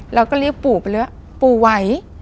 แล้วก็เรียกปู่ไปเลยว่าปู่ไหว